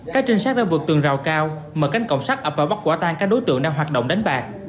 cái trinh sát đã vượt tường rào cao mở cánh cảnh sát ập và bắt quả tan các đối tượng đang hoạt động đánh bạc